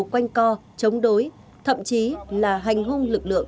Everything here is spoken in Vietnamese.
quanh co chống đối thậm chí là hành hung lực lượng